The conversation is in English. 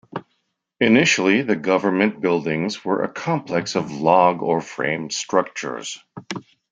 Initially the government buildings were a complex of log or framed structures.